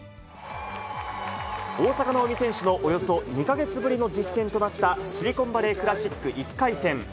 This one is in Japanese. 大坂なおみ選手のおよそ２か月ぶりの実戦となったシリコンバレークラシック１回戦。